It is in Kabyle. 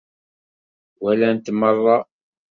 Walant meṛṛa.